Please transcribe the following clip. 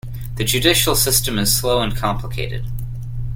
The judicial system is slow and complicated.